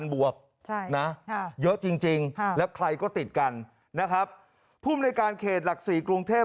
๑๘๐๐๐บวกนะเยอะจริงแล้วใครก็ติดกันนะครับพุ่มในการเขตหลักศรีกรุงเทพ